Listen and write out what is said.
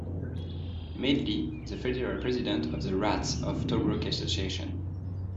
Madeley, the Federal President of the "Rats of Tobruk Association".